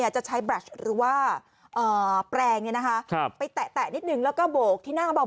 จะใช้แปรงไปแตะนิดหนึ่งแล้วก็โบกที่หน้าเบา